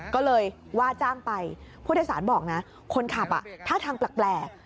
ก็เลยว่าจ้างไปผู้โดยสารบอกนะคนขับท่าทางแปลก